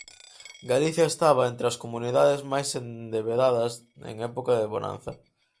Galicia estaba entre as comunidades máis endebedadas en época de bonanza.